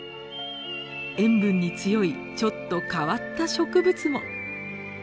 塩分に強いちょっと変わった植物も。